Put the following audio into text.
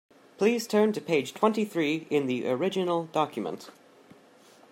Please turn to page twenty-three in the original document